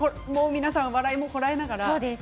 皆さん笑いをこらえながら。